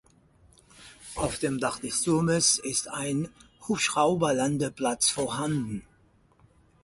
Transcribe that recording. Auf dem Dach des Turmes ist ein Hubschrauberlandeplatz vorhanden.